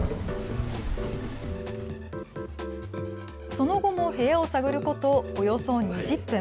その後も部屋を探ることおよそ２０分。